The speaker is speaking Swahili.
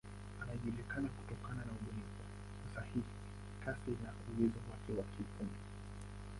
Anajulikana kutokana na ubunifu, usahihi, kasi na uwezo wake wa kiufundi.